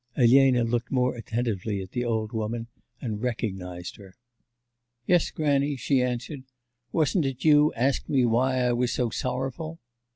Elena looked more attentively at the old woman and recognised her. 'Yes, grannie,' she answered, 'wasn't it you asked me why I was so sorrowful?